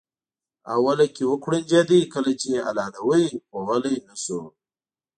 اوله کې وکوړنجېده کله چې یې حلالاوه خو غلی نه شو.